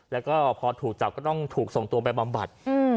แล้วก็พอถูกจับก็ต้องถูกส่งตัวไปบำบัด